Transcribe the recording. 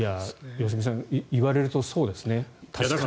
良純さん言われるとそうですね、確かに。